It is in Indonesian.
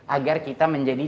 agar kita menjadi